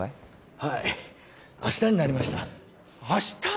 はい明日になりました明日！？